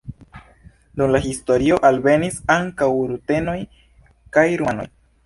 Dum la historio alvenis ankaŭ rutenoj kaj rumanoj.